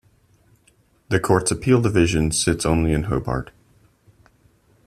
The Court's Appeal division sits only in Hobart.